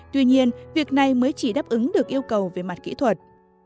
tuy nhiên việc này mới chỉ đáp ứng được yêu cầu về mặt kỹ thuật